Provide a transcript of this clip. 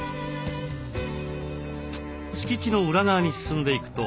敷地の裏側に進んでいくと。